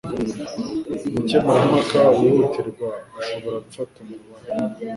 Umukemurampaka wihutirwa ashobora gufata umubano